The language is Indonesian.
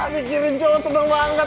bikin cowok seneng banget